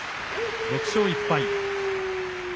６勝１敗。